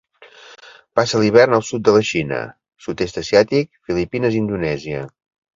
Passa l'hivern al sud de la Xina, Sud-est asiàtic, Filipines i Indonèsia.